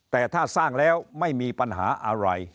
แต่ถ้าสร้างแล้วไม่มีปัญหาอะไร